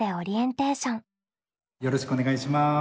よろしくお願いします。